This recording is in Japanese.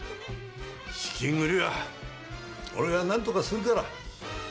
資金繰りは俺がなんとかするから。